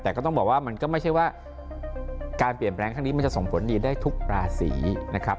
แต่ก็ต้องบอกว่ามันก็ไม่ใช่ว่าการเปลี่ยนแปลงครั้งนี้มันจะส่งผลดีได้ทุกราศีนะครับ